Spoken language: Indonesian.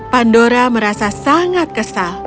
pandora merasa sangat kesal